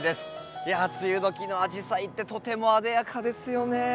いや梅雨時のアジサイってとてもあでやかですよね。